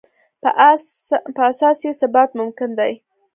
په اساس یې ثبات ممکن دی.